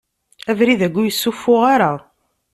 Abrid agi ur yessufuɣ ara.